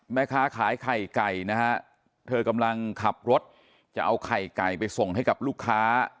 แม่ค้าขายไข่ไก่นะฮะเธอกำลังขับรถจะเอาไข่ไก่ไปส่งให้กับลูกค้า